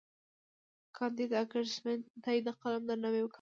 کانديد اکاډميسن عطايي د قلم درناوی کاوه.